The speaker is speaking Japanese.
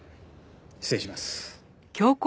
失礼します。